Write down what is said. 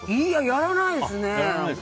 やらないですね。